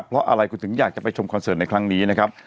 เพราะอะไรคุณถึงอยากจะไปชมคอนเสิร์ตในครั้งนี้นะครับ